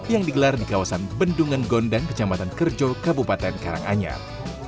yang digelar di kawasan bendungan gondang kecamatan kerjo kabupaten karanganyar